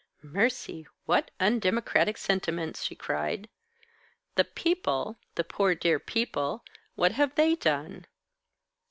"Mercy, what undemocratic sentiments!" she cried. "The People, the poor dear People what have they done?"